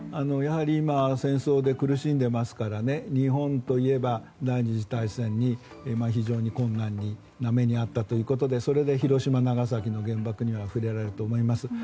やはり今戦争で苦しんでいますから日本といえば第２次大戦で非常に困難な目に遭ったということでそれで広島、長崎の原爆には触れられると思います。